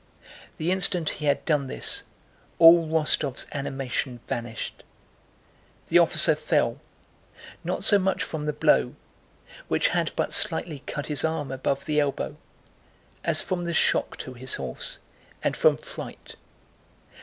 The instant he had done this, all Rostóv's animation vanished. The officer fell, not so much from the blow—which had but slightly cut his arm above the elbow—as from the shock to his horse and from fright.